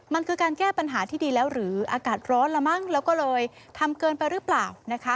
มันคือการแก้ปัญหาที่ดีแล้วหรืออากาศร้อนละมั้งแล้วก็เลยทำเกินไปหรือเปล่านะคะ